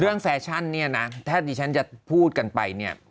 เรื่องแฟชั่นถ้าที่ฉันจะพูดกันไป